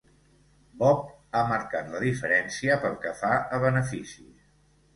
Bob ha marcat la diferència pel que fa a beneficis.